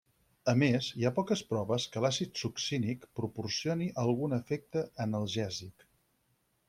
A més, hi ha poques proves que l'àcid succínic proporcioni algun efecte analgèsic.